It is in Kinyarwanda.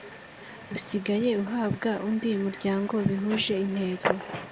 usigaye uhabwa undi muryango bihuje intego